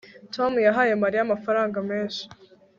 Tom yahaye Mariya amafaranga menshi